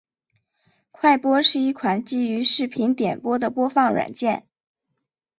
快播是一款基于视频点播的播放软件。